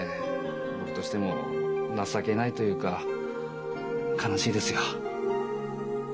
僕としても情けないというか悲しいですよ。